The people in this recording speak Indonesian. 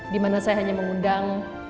dimana saya hanya mengundang